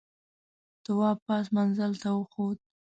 تواب پاس منزل ته وخوت.